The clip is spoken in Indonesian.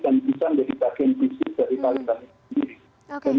kan bisa menjadi bagian fisik dari paling paling